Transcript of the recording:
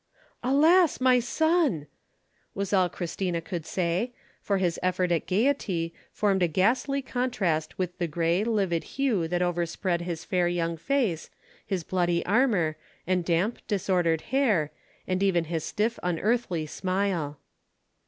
"Alas, my son!" was all Christina could say, for his effort at gaiety formed a ghastly contrast with the gray, livid hue that overspread his fair young face, his bloody armour, and damp disordered hair, and even his stiff unearthly smile.